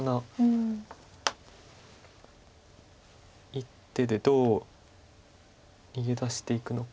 一手でどう逃げ出していくのか。